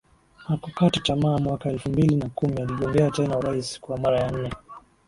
Hakukata tamaa mwaka elfu mbili na kumi aligombea tena urais kwa mara ya nne